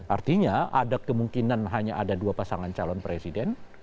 artinya ada kemungkinan hanya ada dua pasangan calon presiden